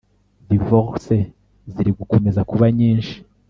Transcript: Divorce zirigukomeza kuba nyinshi